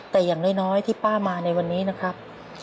แต่อย่างน้อยที่ป้ามาในวันนี้นะครับ